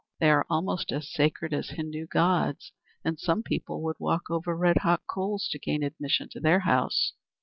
They are almost as sacred as Hindoo gods, and some people would walk over red hot coals to gain admission to their house.